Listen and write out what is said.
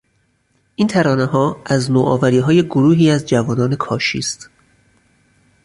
این ترانهها از نوآوریهای گروهی از جوانان کاشی است.